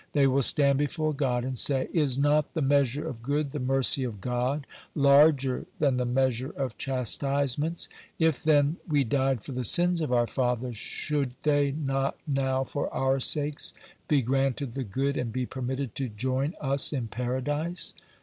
They will stand before God and say: "Is not the measure of good, the mercy of God, larger than the measure of chastisements? If, then, we died for the sins of our fathers, should they not now for our sakes be granted the good, and be permitted to join us in Paradise?"